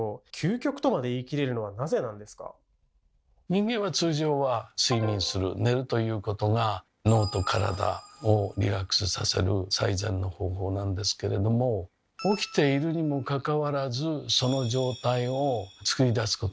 人間は通常は睡眠する寝るということが脳と体をリラックスさせる最善の方法なんですけれども起きているにもかかわらずその状態をつくり出すことができると。